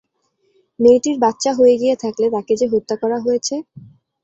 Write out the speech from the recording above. মেয়েটির বাচ্চা হয়ে গিয়ে থাকলে তাকে যে হত্যা করা হয়েছে।